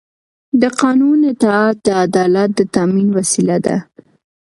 د قانون اطاعت د عدالت د تامین وسیله ده